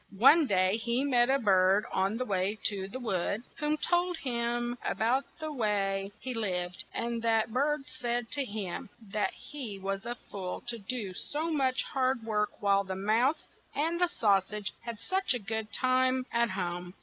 One day he met a bird on the way to the wood, whom he told a bout the way 134 THE MOUSE, THE BIRD, AND THE SAUSAGE he lived, and that bird said to him that he was a fool to do so much hard work while the mouse and the sau sage had such a good time at home.